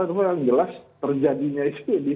cuma yang jelas terjadinya itu di fase aja dia